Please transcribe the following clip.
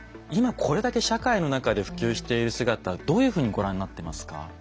今これだけ社会の中で普及している姿どういうふうにご覧になってますか？